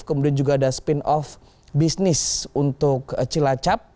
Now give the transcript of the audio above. kemudian juga ada spin off bisnis untuk cilacap